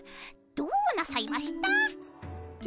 どうなさいました？